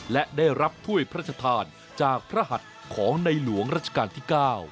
และได้รับถ้วยพระราชทานจากพระหัสของในหลวงรัชกาลที่๙